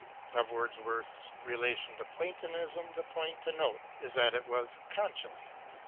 Of Wordsworth's relation to Platonism the point to note is that it was conscious.